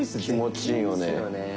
気持ちいいよね。